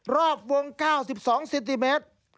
รอบวง๙๒เซนติเมตร